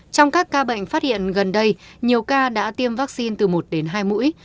trong các ca bệnh phát hiện gần đây nhiều ca đã tiêm vaccine từ một đến hai mũi